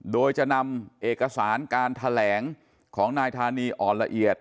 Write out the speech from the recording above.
โดยจะนำเอกสารการแถลงของนายธานีอ่อนละเอียด